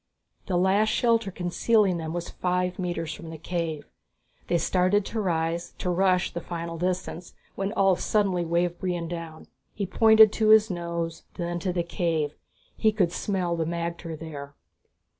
The last shelter concealing them was five metres from the cave. They started to rise, to rush the final distance, when Ulv suddenly waved Brion down. He pointed to his nose, then to the cave. He could smell the magter there.